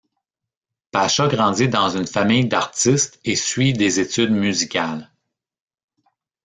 Pasha grandit dans une famille d'artistes et suit des études musicales.